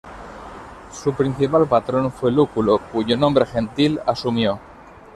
Su principal patrón fue Lúculo, cuyo nombre gentil asumió.